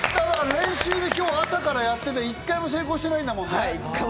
練習で朝からやってて、１回も成功してないんだもんね。